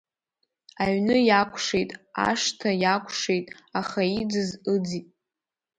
Аҩны иакәшеит, ашҭа иакәшеит, аха иӡыз ыӡит.